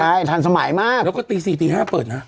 ใช่ทันสมัยมากแล้วก็ตี๔ตี๕เปิดนะ